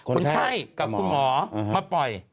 คนไข้กับคุณหมอมาปล่อย